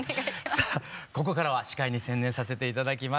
さあここからは司会に専念させて頂きます。